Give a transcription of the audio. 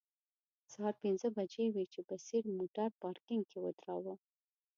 سهار پنځه بجې وې چې بصیر موټر پارکینګ کې و دراوه.